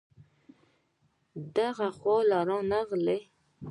دغې خوا نه راغی